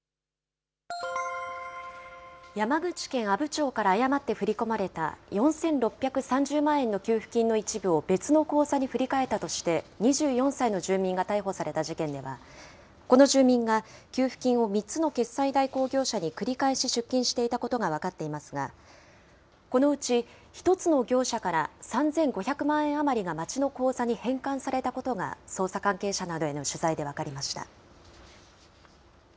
山口県阿武町から誤って振り込まれた４６３０万円の給付金の一部を別の口座に振り替えたとして、２４歳の住民が逮捕された事件では、この住民が、給付金を３つの決済代行業者に繰り返し出金していたことが分かっていますが、このうち１つの業者から、３５００万円余りが町の口座に返還されたことが、捜査関係者などへの取材で分かりました。